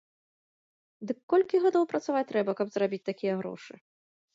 Дык колькі гадоў працаваць трэба, каб зарабіць такія грошы?